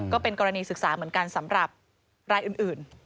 ก็เป็นกรณีศึกษาเหมือนกันสำหรับรายอื่น